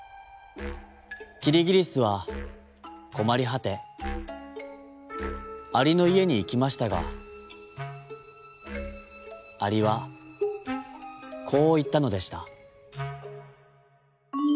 キリギリスはこまりはてアリのいえにいきましたがアリはこういったのでした。